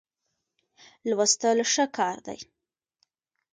لوستل ښه کار دی.